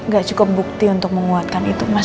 gak cukup bukti untuk menguatkan itu mas